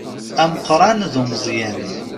Ameqqan d umeẓẓyan.